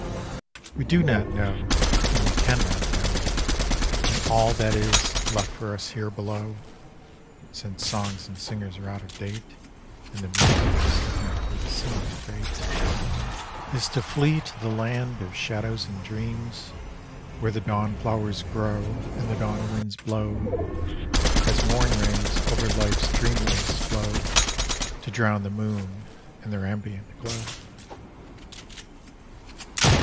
We do not know and we can not know, Ar.d all that is left for us here below (Since "son^s and singers are out of date" And the muses have met with a similar fate) Is to flee to the land of shadows and dreams, Where the dawn flowers grow And the dawn winds blow, As morn rays over life's dream waste flow To drown the noon in their ambient glow.